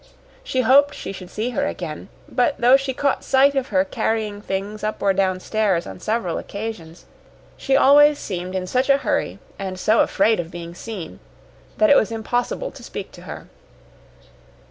She hoped she should see her again, but though she caught sight of her carrying things up or down stairs on several occasions, she always seemed in such a hurry and so afraid of being seen that it was impossible to speak to her.